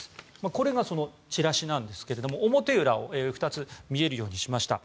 これがそのチラシなんですが表裏を２つ見えるようにしました。